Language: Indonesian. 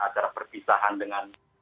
acara perpisahan dengan